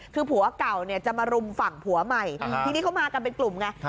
คือผัวเก่าเนี่ยจะมารุมฝั่งผัวใหม่ทีนี้เขามากันเป็นกลุ่มไง